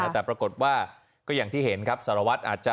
แต่ปรากฏว่าก็อย่างที่เห็นครับสารวัตรอาจจะ